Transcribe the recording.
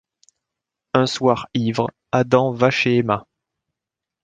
Un soir ivre, Adam va chez Emma.